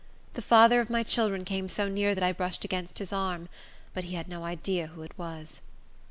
The father of my children came so near that I brushed against his arm; but he had no idea who it was.